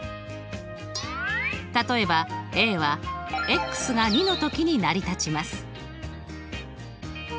例えばＡはが２の時に成り立ちます。